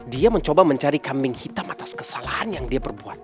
dia mencoba mencari kambing hitam atas kesalahan yang dia perbuat